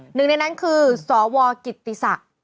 หนึ่งในนั้นคือสวกิติศักดิ์